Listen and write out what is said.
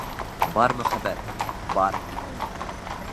Бар мөхәббәт, бар!